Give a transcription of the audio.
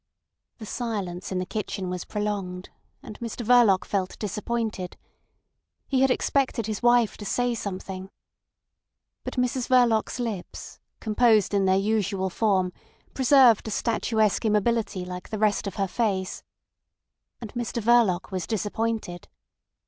The silence in the kitchen was prolonged, and Mr Verloc felt disappointed. He had expected his wife to say something. But Mrs Verloc's lips, composed in their usual form, preserved a statuesque immobility like the rest of her face. And Mr Verloc was disappointed.